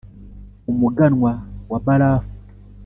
umuganwa wa barafu